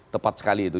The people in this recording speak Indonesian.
tepat sekali itu